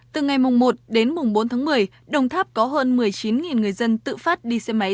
từ ngày mùng một đến mùng bốn tháng một mươi đồng tháp có hơn một mươi chín người dân tự phát đi xe máy